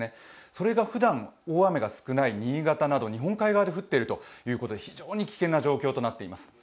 それがふだん大雨が少ない新潟など日本海側で降っているということで非常に危険な状況となっています。